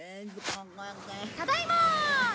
ただいま！